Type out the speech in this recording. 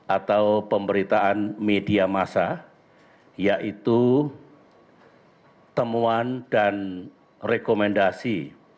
atau pemberitaan media masa yaitu temuan dan rekomendasi